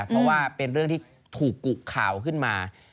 เพราะว่าเป็นเรื่องที่ถูกกุข่าวขึ้นมา